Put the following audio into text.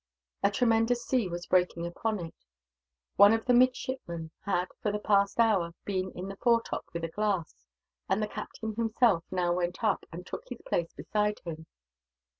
A tremendous sea was breaking upon it. One of the midshipmen had, for the past hour, been in the foretop with a glass; and the captain himself now went up, and took his place beside him.